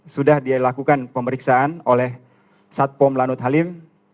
sudah dilakukan pemeriksaan oleh satpom lanut halim